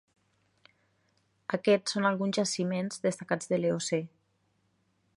Aquests són alguns jaciments destacats de l'Eocè.